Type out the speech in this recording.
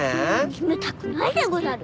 冷たくないでござる。